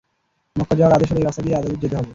মক্কা যাওয়ার আদেশ হলে এ রাস্তা দিয়েই তাদের যেতে হবে।